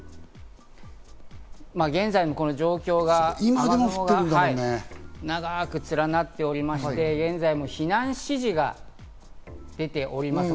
現在の状況は長く連なっておりまして、現在も避難指示が出ております。